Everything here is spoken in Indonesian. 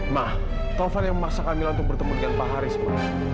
nah taufan yang memaksa kamila untuk bertemu dengan pak haris pak